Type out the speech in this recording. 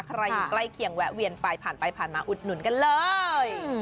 อยู่ใกล้เคียงแวะเวียนไปผ่านไปผ่านมาอุดหนุนกันเลย